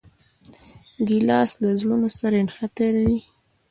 ګیلاس له زړونو سره نښتي وي.